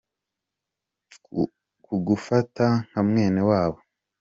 kugufata nka mwene wabo.